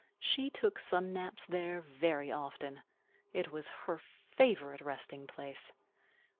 She took sun naps there very often. It was her favorite resting place.